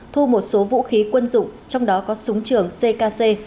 thu một số vũ khí quân dụng trong đó có súng trường ckc